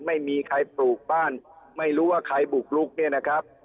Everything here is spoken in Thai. ไม่มีใครปลูกบ้านไม่รู้ว่าใครบุกลุกเนี่ยนะครับ